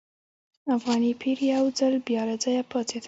افغاني پیر یو ځل بیا له ځایه پاڅېد.